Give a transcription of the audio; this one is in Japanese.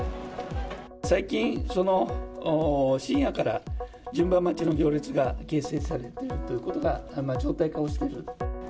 最近、深夜から順番待ちの行列が形成されているということが常態化をしている。